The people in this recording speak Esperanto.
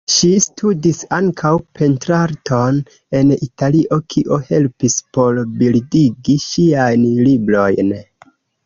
Ŝi studis ankaŭ pentrarton en Italio, kio helpis por bildigi ŝiajn librojn.